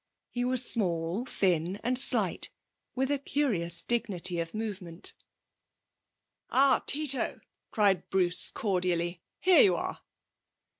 He was small, thin and slight, with a curious dignity of movement. 'Ah, Tito,' cried Bruce cordially. 'Here you are!'